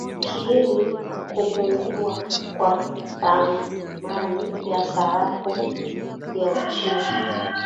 kiini kupungua kwa thamani ya sarafu ya uchina